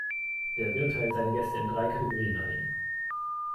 Der Wirt teilt seine Gäste in drei Kategorien ein.